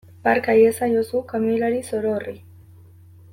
Barka iezaiozu kamioilari zoro horri.